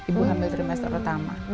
ibu hamil trimester pertama